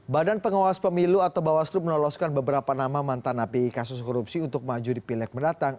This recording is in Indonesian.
badan pengawas pemilu atau bawaslu menoloskan beberapa nama mantan api kasus korupsi untuk maju di pileg mendatang